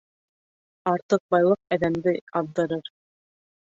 Артыҡ байлыҡ әҙәмде аҙҙырыр.